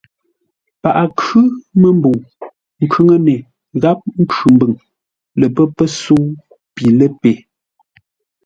Paghʼə khʉ́ məmbəu. Nkhʉŋəne gháp Nkhʉmbʉŋ lə pə́ pəsə̌u pi ləpe.